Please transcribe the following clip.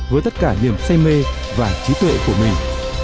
với tất cả niềm say mê và trí tuệ của mình